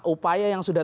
upaya yang sudah